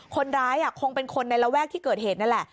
คนร้ายคงเป็นคนในระแวกที่เกิดเหตุนั่นแหละ